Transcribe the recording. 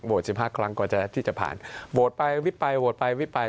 ๑๕ครั้งก่อนที่จะผ่านโหวตไปวิบไปโหวตไปวิบไป